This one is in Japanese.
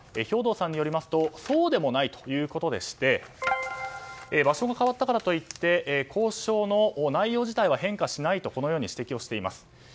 兵頭さんによりますとそうでもないということでして場所が変わったからといって交渉の内容自体は変化しないと指摘しています。